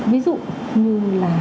ví dụ như là